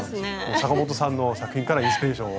阪本さんの作品からインスピレーションを。